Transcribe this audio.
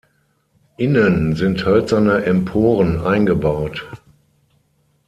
Innen sind hölzerne Emporen eingebaut.